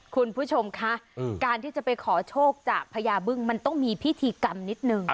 คุณผู้ชมคะการที่จะไปขอโชคจากพญาบึ้งมันต้องมีพิธีกรรมนิดนึง